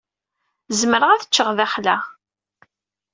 Zemreɣ ad t-ččeɣ daxel-a.